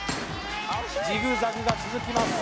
ジグザグが続きます